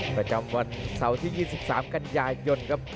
ประจำวันเสาร์ที่๒๓กันยายนครับ